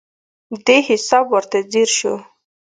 دې حساب ورته ځیر شو.